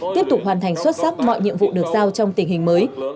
tiếp tục hoàn thành xuất sắc mọi nhiệm vụ được giao trong tình hình mới